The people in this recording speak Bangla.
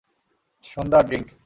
সুন্দার, ড্রিংক।